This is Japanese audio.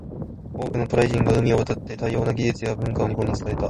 多くの渡来人が海を渡って、多様な技術や文化を日本に伝えた。